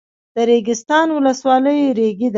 د ریګستان ولسوالۍ ریګي ده